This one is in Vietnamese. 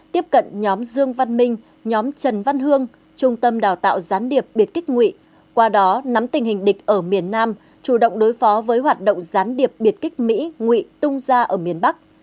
tiếp cận nhóm dương văn minh nhóm trần văn hương trung tâm đào tạo gián điệp biệt kích nguyện qua đó nắm tình hình địch ở miền nam chủ động đối phó với hoạt động gián điệp biệt kích mỹ ngụy tung ra ở miền bắc